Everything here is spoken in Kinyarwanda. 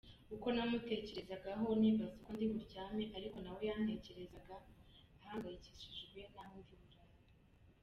Uko namutekerezagaho, nibaza uko ndiburyame, niko nawe yantekereza ahangayikishijwe naho ndiburare.